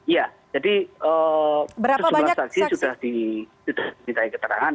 ya jadi sejumlah saksi sudah dimintai keterangan